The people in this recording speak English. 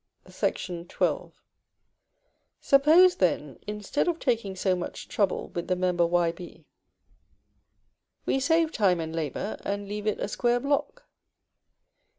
[Illustration: Fig. XII.] § XII. Suppose, then, instead of taking so much trouble with the member Yb, we save time and labor, and leave it a square block.